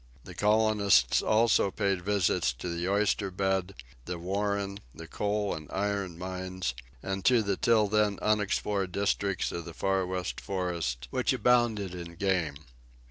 The colonists had paid visits also to the oyster bed, the warren, the coal and iron mines, and to the till then unexplored districts of the Far West forest, which abounded in game.